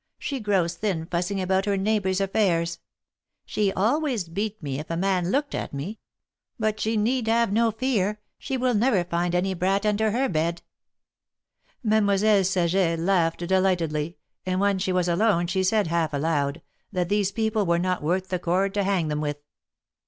She grows thin fussing about her neighbors' affairs. She always beat me if a man looked at me ; but she need have no fear. She will never find any brat under her bed 1 " Mademoiselle Saget laughed delightedly, and when she was alone, she said, half aloud, that these people were not worth the cord to hang them with.